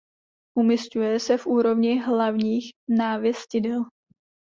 Umisťuje se v úrovni hlavních návěstidel.